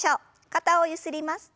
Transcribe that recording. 肩をゆすります。